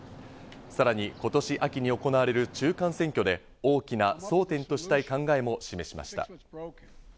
さらに今年秋に行われる中間選挙で大きな争点としたい考えも示しました。